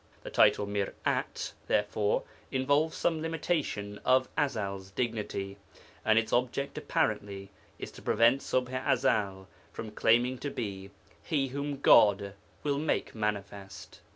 The title Mir'at, therefore, involves some limitation of Ezel's dignity, and its object apparently is to prevent Ṣubḥ i Ezel from claiming to be 'He whom God will make manifest.'